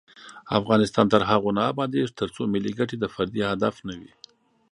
افغانستان تر هغو نه ابادیږي، ترڅو ملي ګټې د فردي هدف نه وي.